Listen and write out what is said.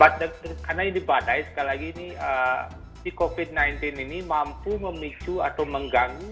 karena ini badai sekali lagi ini si covid sembilan belas ini mampu memicu atau mengganggu